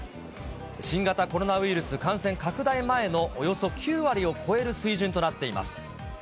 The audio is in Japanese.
新型コロナウイルス感染拡大前のおよそ９割を超える水準となっています。